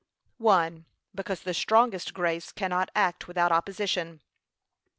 (l.) Because the strongest grace cannot act without opposition. (2.)